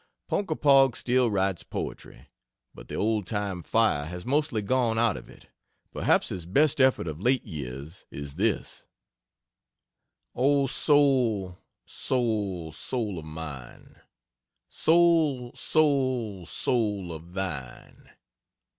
Ponkapog still writes poetry, but the old time fire has mostly gone out of it. Perhaps his best effort of late years is this: "O soul, soul, soul of mine: Soul, soul, soul of thine!